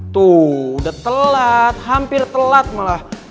tuh udah telat hampir telat malah